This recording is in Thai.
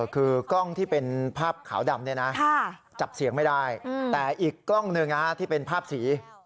คือกล้องที่เป็นภาพขาวดำเนี่ยนะจับเสียงไม่ได้แต่อีกกล้องหนึ่งที่เป็นภาพสี